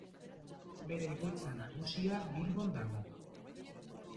Bere egoitza nagusia Bilbon dago.